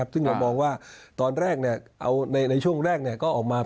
ซึ่งเรามองว่าตอนแรกในช่วงแรกก็ออกมา